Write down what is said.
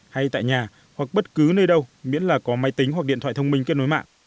hay tại nhà hoặc bất cứ nơi đâu miễn là có máy tính hoặc điện thoại thông minh kết nối mạng